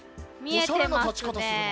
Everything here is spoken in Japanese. おしゃれな立ち方するね。